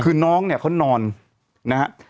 คือน้องเนี่ยเขานอนนะฮะ